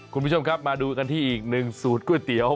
คุณผู้ชมครับมาดูกันที่อีกหนึ่งสูตรก๋วยเตี๋ยว